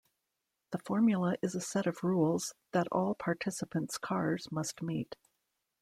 The formula is a set of rules that all participants' cars must meet.